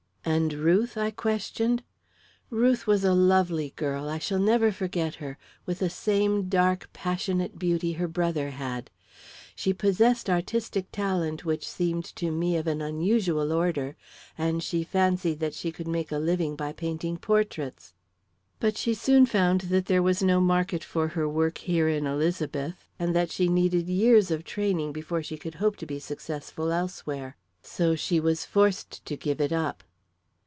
"And Ruth?" I questioned. "Ruth was a lovely girl I shall never forget her with the same dark, passionate beauty her brother had. She possessed artistic talent which seemed to me of an unusual order, and she fancied that she could make a living by painting portraits. But she soon found that there was no market for her work here in Elizabeth, and that she needed years of training before she could hope to be successful elsewhere. So she was forced to give it up."